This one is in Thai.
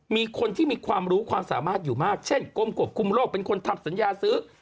มีคนที่มีความรู้ความสามารถอยู่มากเช่นกรมควบคุมโรคเป็นคนทำสัญญาซื้อ